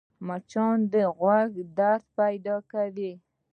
مچان د غوږ درد پیدا کوي